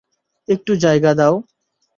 একটু জায়গা দাও।